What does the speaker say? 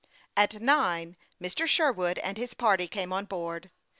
At nine Mr. Sherwood and his party came on board.